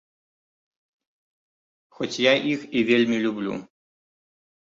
Хоць я іх і вельмі люблю.